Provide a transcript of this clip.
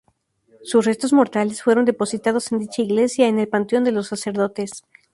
Sus restos mortales fueron depositados en dicha iglesia, en el panteón de los sacerdotes.